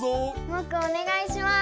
モクおねがいします。